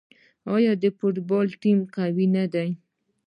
آیا د ایران فوټبال ټیم قوي نه دی؟